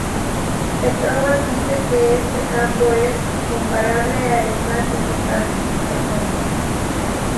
Petrobras dice que este campo es "comparable a el más importantes" del mundo.